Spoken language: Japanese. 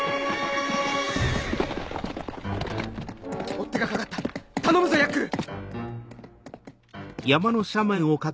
追っ手がかかった頼むぞヤックル！